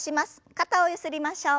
肩をゆすりましょう。